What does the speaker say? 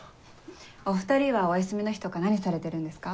お２人はお休みの日とか何されてるんですか？